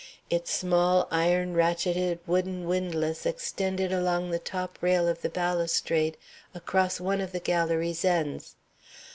Its small, iron ratcheted, wooden windlass extended along the top rail of the balustrade across one of the galérie's ends.